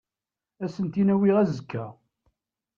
Ad as-tent-in-awiɣ azekka.